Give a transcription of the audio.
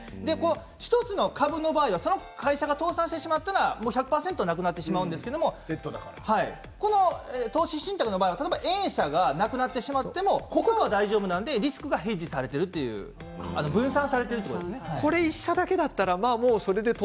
１つの株の場合はその会社が倒産してしまったら１００％なくなってしまうんですが投資信託の場合はＡ社がなくなってしまっても他が大丈夫なのでリスクヘッジされている分散されているんですね。